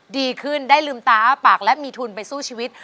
ดีขึ้นได้ลืมตาอ้าปากและมีทุนไปสู้ชีวิต